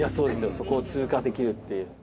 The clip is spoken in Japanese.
そこを通過できるっていう。